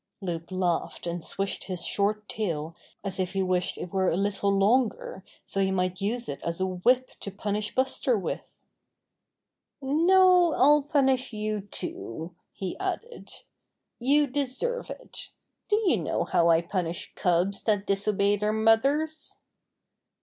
Loup laughed and swished his short tail as if he wished it were longer so he might use it as a whip to punish Buster with. "No, I'll punish you too," he added. "You deserve it. Do you know how I punish cubs that disobey their mothers